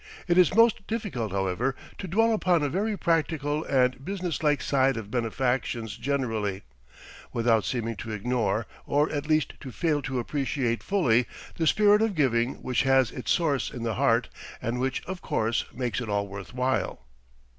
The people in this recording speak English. It is most difficult, however, to dwell upon a very practical and business like side of benefactions generally, without seeming to ignore, or at least to fail to appreciate fully, the spirit of giving which has its source in the heart, and which, of course, makes it all worth while.